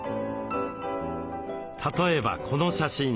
例えばこの写真。